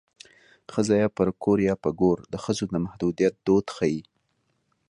ښځه یا پر کور یا په ګور د ښځو د محدودیت دود ښيي